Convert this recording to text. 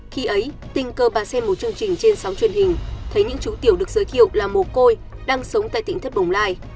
khi ấy tình cờ bà xem một chương trình trên sóng truyền hình thấy những chú tiểu được giới thiệu là mồ côi đang sống tại tỉnh thất bồng lai